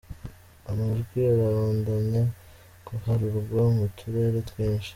Amajwi arabandanya guharurwa mu turere twinshi.